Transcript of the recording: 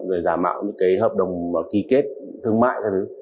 rồi giả mạo những cái hợp đồng ký kết thương mại